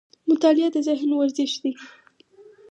مطالعه د ذهن ورزش دی